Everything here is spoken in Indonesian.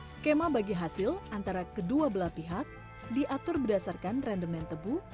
skema bagi hasil antara kedua belah pihak diatur berdasarkan randemen tebu